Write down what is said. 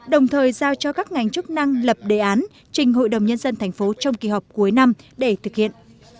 đồng thời giao cho các ngành chức năng lập đề án trình hội đồng nhân dân thành phố trong kỳ họp cuối năm để thực hiện